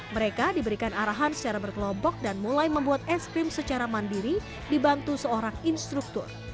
mereka diberikan arahan secara berkelompok dan mulai membuat es krim secara mandiri dibantu seorang instruktur